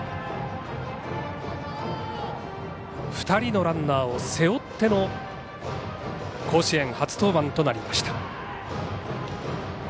２人のランナーを背負っての甲子園初登板となりました。